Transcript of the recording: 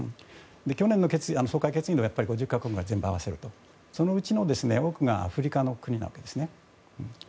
去年の総会決議でも全部合わせると５０か国くらいでそのうちの多くがアフリカの国なわけですね。